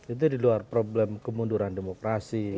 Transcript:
itu di luar problem kemunduran demokrasi